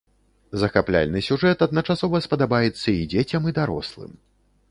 Захапляльны сюжэт адначасова спадабаецца і дзецям, і дарослым.